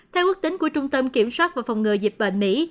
theo quốc tính của trung tâm kiểm soát và phòng ngừa dịp bệnh mỹ